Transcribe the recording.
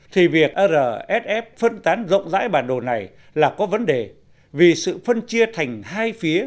thì việc rsf phân tán rộng rãi bản đồ này là có vấn đề vì sự phân chia thành hai phía